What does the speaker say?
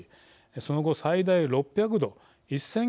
その後、最大６００度１０００